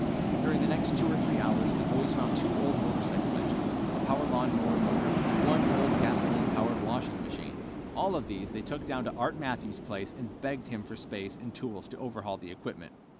During the next two or three hours the boys found two old motorcycle engines, a power lawn mower motor, and one old gasoline powered washing machine. All of these they took down to Art Matthews' place and begged him for space and tools to overhaul the equipment.